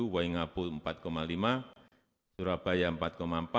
waingabu empat lima persen surabaya empat empat persen